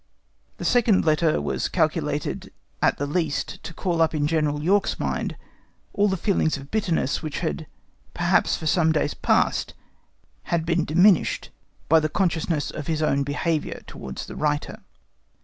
The second letter was calculated at the least to call up in General York's mind all the feelings of bitterness which perhaps for some days past had been diminished by the consciousness of his own behaviour towards the writer.